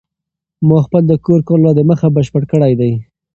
ما خپل د کور کار لا د مخه بشپړ کړی دی.